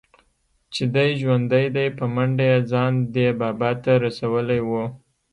چې دى ژوندى دى په منډه يې ځان ده بابا ته رسولى و.